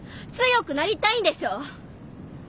強くなりたいんでしょ？